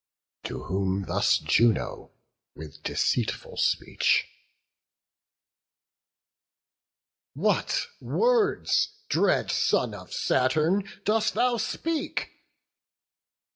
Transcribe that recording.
To whom thus Juno with deceitful speech: "What words, dread son of Saturn, dost thou speak?